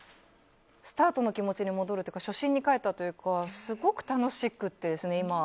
スタートの気持ちに戻るというか初心に帰ったというかすごく楽しくてですね、今。